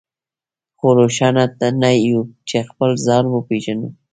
خو روښانه نه يو چې خپل ځان وپېژنو.